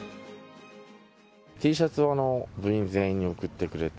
Ｔシャツを部員全員に贈ってくれて。